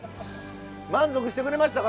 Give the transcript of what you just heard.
満足してくれましたか？